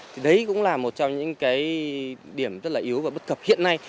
thì đấy cũng là một trong những cái điểm rất là yếu và bất cập hiện nay